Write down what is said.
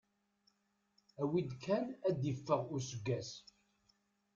Awi-d kan ad iffeɣ useggas.